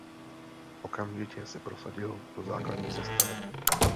Okamžitě se prosadil do základní sestavy.